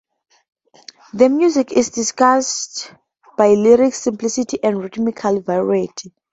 The music is distinguished by lyric simplicity and rhythmical variety.